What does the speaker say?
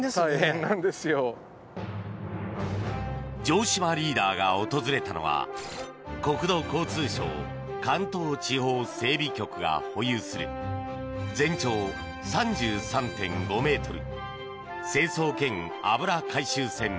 城島リーダーが訪れたのは国土交通省関東地方整備局が保有する全長３３．５ｍ清掃兼油回収船